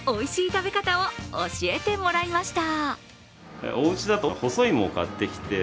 食べ方を教えてもらいました。